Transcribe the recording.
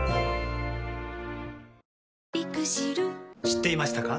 知っていましたか？